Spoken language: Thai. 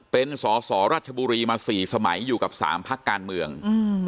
เป็นสอสอรัชบุรีมาสี่สมัยอยู่กับสามพักการเมืองอืม